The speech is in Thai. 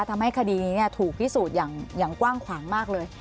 ทำให้คดีนี้ถูกพิสูจน์อย่างกว้างขวางมากเลย